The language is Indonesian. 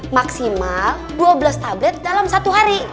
maksimal dua belas tablet dalam satu hari